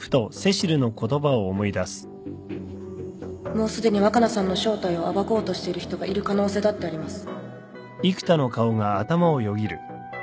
もうすでに若菜さんの正体を暴こうとしている人がいる可能性だってあります